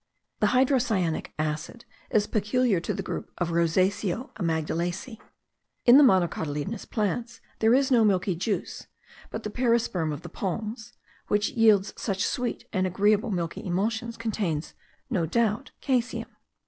The hydrocyanic acid is peculiar to the group of rosaceo amygdalaceae. In the monocotyledonous plants there is no milky juice; but the perisperm of the palms, which yields such sweet and agreeable milky emulsions, contains, no doubt, caseum.